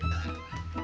buat aduh mi